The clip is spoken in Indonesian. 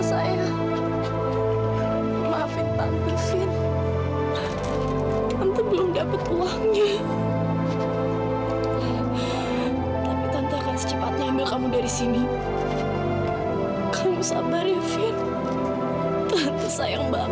sampai jumpa di video selanjutnya